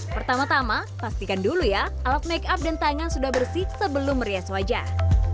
pertama tama pastikan dulu ya alat make up dan tangan sudah bersih sebelum merias wajah